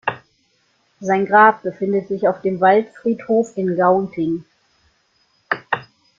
Sein Grab befindet sich auf dem Waldfriedhof in Gauting.